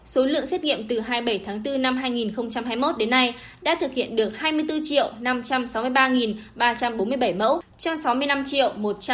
số lượng xét nghiệm từ hai mươi bảy tháng bốn năm hai nghìn hai mươi một đến nay đã thực hiện được hai mươi bốn năm trăm sáu mươi ba ba trăm bốn mươi bảy mẫu